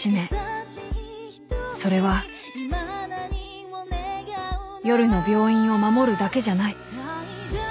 ［それは夜の病院を守るだけじゃない］